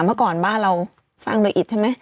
เมื่อก่อนบ้านเราสร้างโดยอิดใช่ไหม